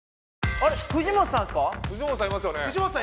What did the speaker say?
あ藤本さん